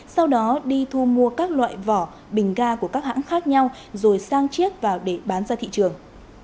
sau đó đi thu mua các loại vỏ bình ga của các hãng khác nhau rồi sang chiếc vào để bán ra thị trường